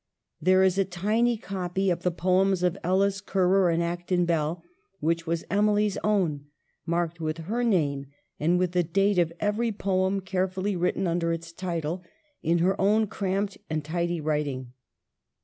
There is a tiny copy of the ' Poems ' of Ellis, Currer, and Acton Bell, which was Emily's own, marked with her name and with the date of every poem carefully written under its title, in her own cramped and tidy writ ing.